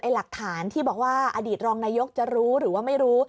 หลักฐานที่บอกว่าอดีตรองนายกจะรู้หรือว่าไม่รู้